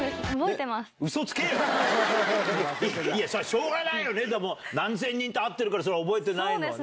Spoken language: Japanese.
しょうがないよ何千人と会ってるから覚えてないのはね。